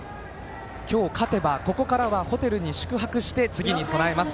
今日、勝てばここからはホテルに宿泊して次に備えます。